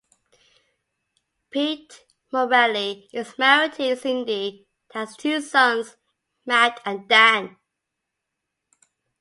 Pete Morelli is married to Cindy and has two sons, Matt and Dan.